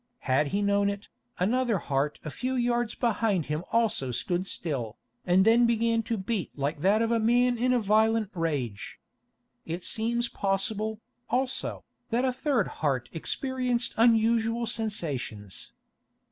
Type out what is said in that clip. Had he known it, another heart a few yards behind him also stood still, and then began to beat like that of a man in a violent rage. It seems possible, also, that a third heart experienced unusual sensations.